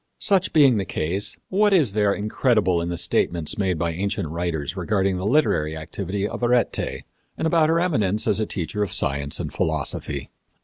Such being the case, what is there incredible in the statements made by ancient writers regarding the literary activity of Arete, and about her eminence as a teacher of science and philosophy?